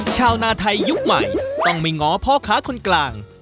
ชาวนาไทยยุคใหม่ต้องไม่ง้อพ่อค้าคนกลาง